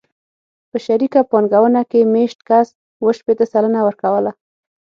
په شریکه پانګونه کې مېشت کس اوه شپېته سلنه ورکوله